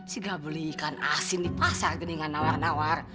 sudah beli ikan asin di pasar geningan nawar nawar